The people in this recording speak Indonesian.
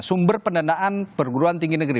sumber pendanaan perguruan tinggi negeri